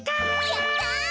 やった！